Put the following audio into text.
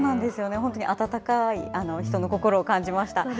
本当に温かい人の心を感じました。